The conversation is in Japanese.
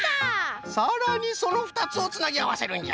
さらにそのふたつをつなぎあわせるんじゃ。